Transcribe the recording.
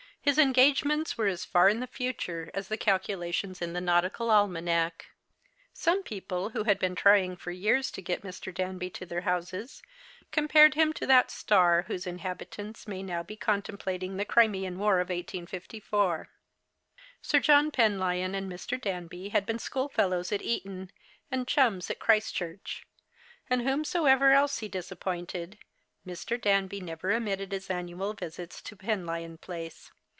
His eno ao ements were as far in the future as the calculations in the nautical almanac. Some people, who had been trying for years to get Mr. Danby to their houses, compared him to that star whose inhabitants may now be contemplating the Crimean War of 1854. Sir John Penlyon and Mr. Danby had been school fellows at Eton, and chums at Christ church ; and, whom soever else he disappointed, Mr. Danby never omitted his annual visits to Penlyon Place.